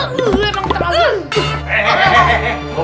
aduh enak terlalu